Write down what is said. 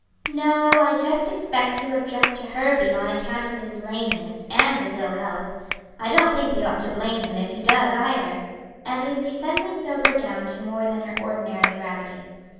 "No, I just expect he'll object to Herbie on account of his lameness, and his ill health. I don't think we ought to blame him if he does either." And Lucy suddenly sobered down to more than her ordinary gravity.